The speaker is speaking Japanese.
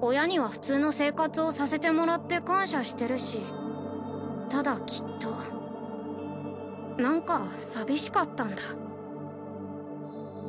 親には普通の生活をさせてもらって感謝してるしただきっと何か寂しかったんだ